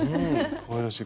かわいらしい。